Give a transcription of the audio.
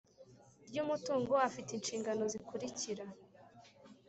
Ry umutungo afite inshingano zikurikira